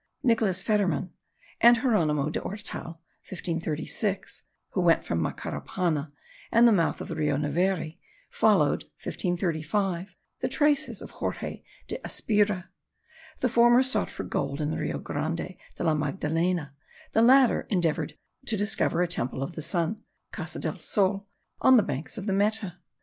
Nicolas Federmann and Geronimo de Ortal (1536), who went from Macarapana and the mouth of the Rio Neveri, followed (1535) the traces of Jorge de Espira. The former sought for gold in the Rio Grande de la Magdalena; the latter endeavoured to discover a temple of the sun (Casa del Sol) on the banks of the Meta.